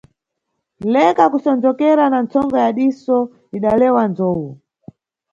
Leka kusonzokera na ntsonga ya diso - idalewa nzowu.